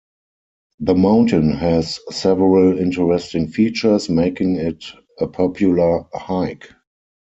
The mountain has several interesting features, making it a popular hike.